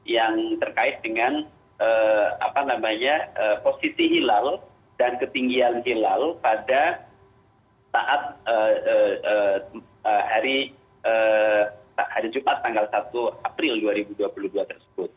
yang terkait dengan posisi hilal dan ketinggian hilal pada saat hari jumat tanggal satu april dua ribu dua puluh dua tersebut